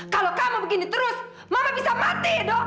kalau kamu begini terus mama bisa mati edo